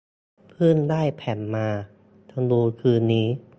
เพิ่งได้แผ่นมา จะดูคืนนี้